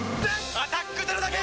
「アタックＺＥＲＯ」だけ！